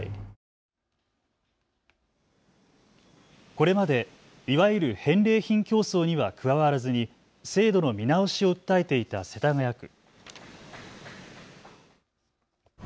これまでいわゆる返礼品競争には加わらずに制度の見直しを訴えていた世田谷区。